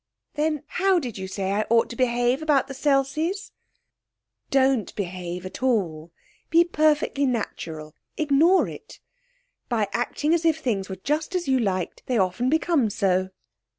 'Then, how did you say I ought to behave about the Selseys?' 'Don't behave at all. Be perfectly natural, ignore it. By acting as if things were just as you liked, they often become so.'